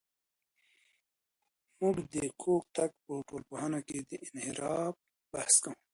موږ د کوږتګ په ټولنپوهنه کې د انحراف بحث کوو.